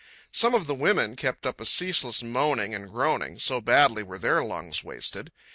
Some of the women kept up a ceaseless moaning and groaning, so badly were their lungs wasted.